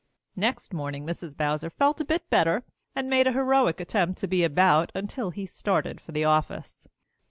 Next morning Mrs. Bowser felt a bit better and made a heroic attempt to be about until he started for the office.